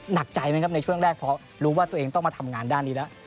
หนักใจไหมครับในช่วงแรกเพราะรู้ว่าตัวเองต้องมาทำงานด้านนี้แล้ว